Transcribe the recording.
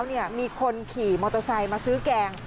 เนี่ยมีคนขี่มอเตอร์ไซค์มาซื้อแกง